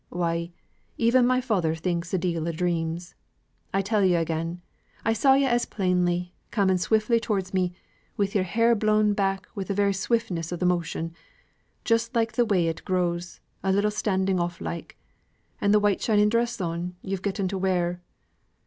Why, even my father thinks a deal o' dreams! I tell yo' again, I saw yo' as plainly, coming swiftly towards me, wi' yo'r hair blown back wi' the very swiftness o' the motion, just like the way it grows, a little standing off like; and the white shining dress on yo've getten to wear.